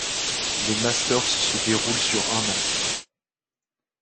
Les Masters se déroulent sur un an.